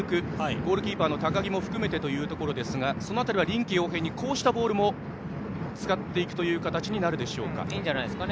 ゴールキーパーの高木も含めてというところですがその辺り、臨機応変にそうしたボールも使っていく形になるでしょうか。